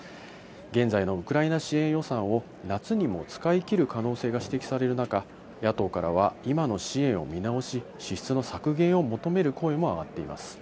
現在のウクライナ支援予算を夏にも使い切る可能性が指摘される中、野党からは今の支援を見直し、支出の削減を求める声も上がっています。